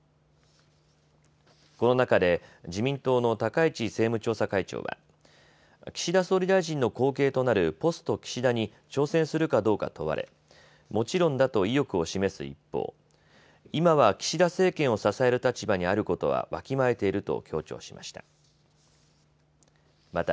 この中で自民党の高市政務調査会長は岸田総理大臣の後継となるポスト岸田に挑戦するかどうか問われもちろんだと意欲を示す一方、今は岸田政権を支える立場にあることはわきまえていると強調しました。